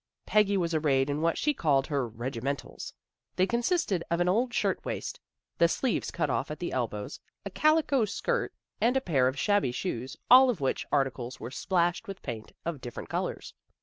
Peggy was arrayed in what she called her regimentals. They consisted of an old shirt waist, the sleeves cut off at the elbows, a calico skirt, and a pair of shabby shoes, all of which articles were splashed with paint of different colors.